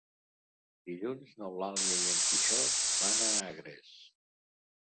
Dilluns n'Eulàlia i en Quixot van a Agres.